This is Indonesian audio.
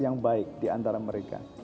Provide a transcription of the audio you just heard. yang baik diantara mereka